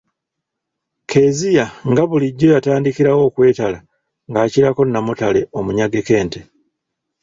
Kezia nga bulijjo yatandikirawo okwetala ng'akirako nnamutale omunyageko ente.